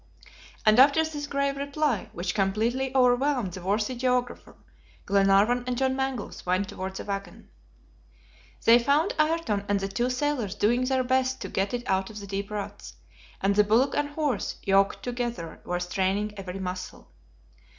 And after this grave reply, which completely overwhelmed the worthy geographer, Glenarvan and John Mangles went toward the wagon. They found Ayrton and the two sailors doing their best to get it out of the deep ruts, and the bullock and horse, yoked together, were straining every muscle.